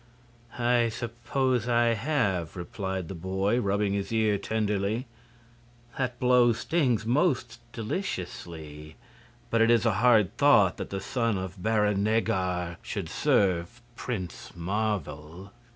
"I suppose I have," replied the boy, rubbing his ear tenderly. "That blow stings most deliciously. But it is a hard thought that the son of Baron Neggar should serve Prince Marvel!"